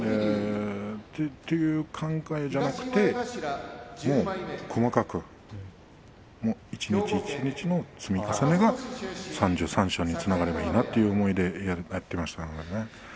そういう考えではなくて細かく一日一日の積み重ねが３３勝につながればいいなという思いでやっていました。